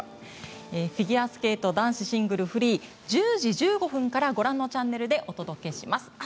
フィギュアスケート男子シングル・フリー１０時１５分からご覧のチャンネルでお届けします。